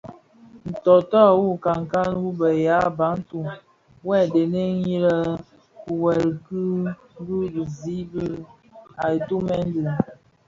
Ntôôtô wu nkankan wu bë ya Bantu (Bafia) wuè dhëňdhëni kigwèl bi bisi a ditumen di.